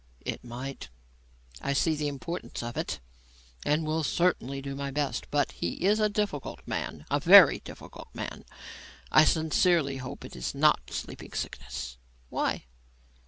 "It might. I see the importance of it and will certainly do my best; but he is a difficult man; a very difficult man. I sincerely hope it is not sleeping sickness." "Why?"